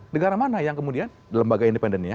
negara mana yang kemudian lembaga independennya